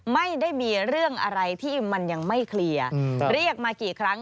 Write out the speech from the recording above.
ไม่ได้มีเรื่องอะไรที่มันยังไม่เคลียร์